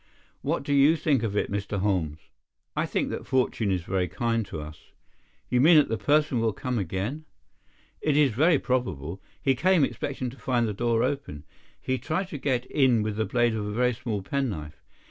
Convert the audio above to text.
What do you think of it, Mr. Holmes?" "I think that fortune is very kind to us." "You mean that the person will come again?" "It is very probable. He came expecting to find the door open. He tried to get in with the blade of a very small penknife.